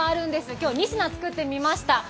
今日２品作ってみました。